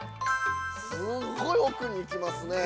すごい奥に行きますね。